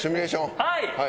はい。